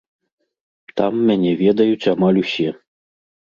Там мяне ведаюць амаль усе.